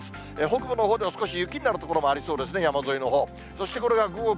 北部のほうでは少し雪になる所もありそうですね、山沿いのほう。